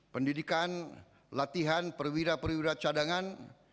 pendidikan latihan perwira perwira cadangan